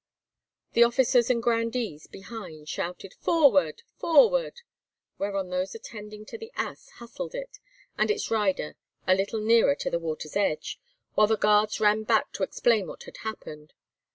The officers and grandees behind shouted, "Forward!—forward!" whereon those attending to the ass hustled it and its rider a little nearer to the water's edge, while the guards ran back to explain what had happened.